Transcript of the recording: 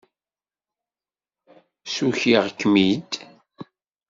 Ssukiɣ-kem-id?